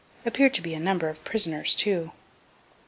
(Appear'd to be a number of prisoners too.)